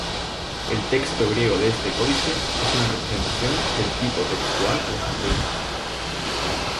El texto griego de este códice es una representación del Tipo textual alejandrino.